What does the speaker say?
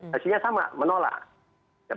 hasilnya sama menolak